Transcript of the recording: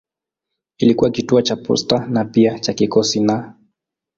Ilikuwa kituo cha posta na pia cha kikosi na.